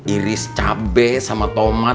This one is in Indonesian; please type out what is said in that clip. iris cabai sama tomat